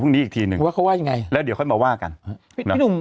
พึ่งนี้อีกทีหนึ่งเขาว่าไงแล้วเดี๋ยวค่อยมาว่ากันพี่หนุ่ม